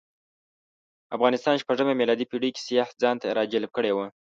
افغانستان شپږمه میلادي پېړۍ کې سیاح ځانته راجلب کړی و.